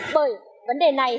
bởi vấn đề này